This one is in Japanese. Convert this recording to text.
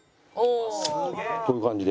こういう感じで。